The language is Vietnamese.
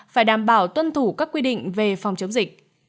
phải đảm bảo tuân thủ các quy định về phòng chống dịch